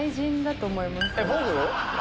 僕⁉